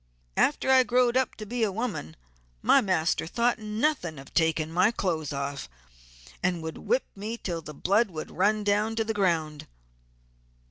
After I growed up to be a woman my master thought nothing of taking my clothes off, and would whip me until the blood would run down to the ground.